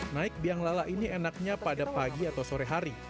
naik biang lala ini enaknya pada pagi atau sore hari